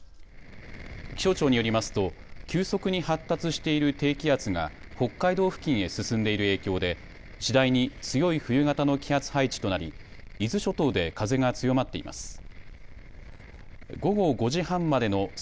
気象庁によりますと、急速に発達している低気圧が北海道付近へ進んでいる影響で次第に強い冬型の気圧配置となり伊豆諸島で風が強まっています。